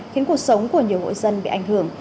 khiến cuộc sống của nhiều hộ dân bị ảnh hưởng